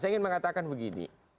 saya ingin mengatakan begini